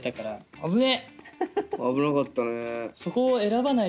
危なかったね。